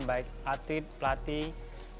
baik aktif pelatih